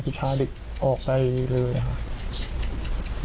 พาเด็กออกไปเลยค่ะ